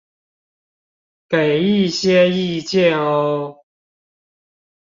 給一些意見喔!